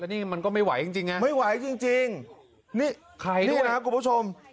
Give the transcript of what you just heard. นี่มันก็ไม่ไหวจริงจริงไงไม่ไหวจริงจริงนี่นะครับคุณผู้ชม